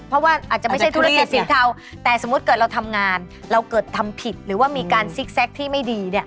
เพราะว่าอาจจะไม่ใช่ธุรกิจสีเทาแต่สมมุติเกิดเราทำงานเราเกิดทำผิดหรือว่ามีการซิกแก๊กที่ไม่ดีเนี่ย